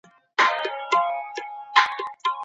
د طلاق په نتيجه کي د دوی اولادونه بي موره يا پلاره کيږي.